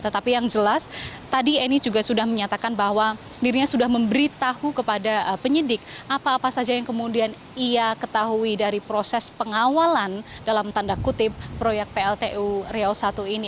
tetapi yang jelas tadi eni juga sudah menyatakan bahwa dirinya sudah memberitahu kepada penyidik apa apa saja yang kemudian ia ketahui dari proses pengawalan dalam tanda kutip proyek pltu riau i ini